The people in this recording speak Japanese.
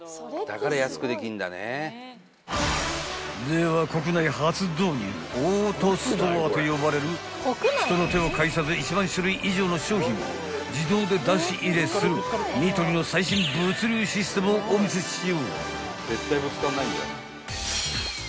［では国内初導入オートストアと呼ばれる人の手を介さず１万種類以上の商品を自動で出し入れするニトリの最新物流システムをお見せしよう］